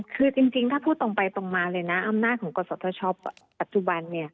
คือจริงถ้าพูดตรงไปตรงมาเลยนะอำนาจของกฎสัตว์เท้าชอบอัจจุบัน